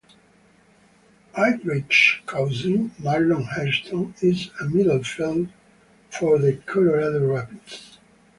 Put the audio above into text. Aldridge's cousin, Marlon Hairston, is a midfielder for the Colorado Rapids.